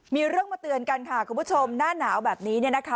มีเรื่องมาเตือนกันค่ะคุณผู้ชมหน้าหนาวแบบนี้เนี่ยนะคะ